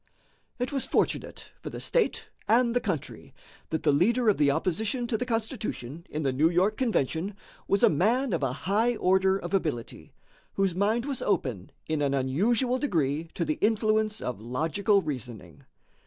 It was fortunate for the state and the country that the leader of the opposition to the Constitution in the New York convention was a man of a high order of ability, whose mind was open in an unusual degree to the influence of logical reasoning.